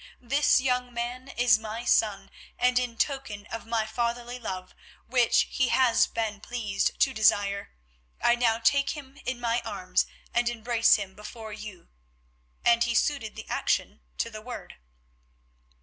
This young man is my son, and in token of my fatherly love, which he has been pleased to desire, I now take him in my arms and embrace him before you," and he suited the action to the word.